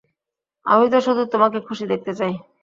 আমি তো শুধু তোমাকে খুশি দেখতে চাই।